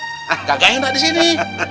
gak kaya gak di sini